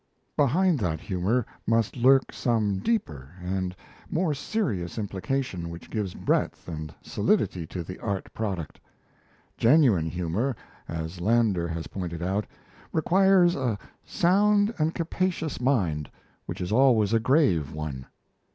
Behind that humour must lurk some deeper and more serious implication which gives breadth and solidity to the art product. Genuine humour, as Landor has pointed out, requires a "sound and capacious mind, which is always a grave one."